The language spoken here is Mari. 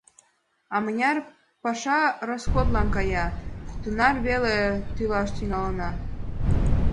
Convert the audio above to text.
А мыняр паша роскотлан кая, тунар веле тӱлаш тӱҥалына.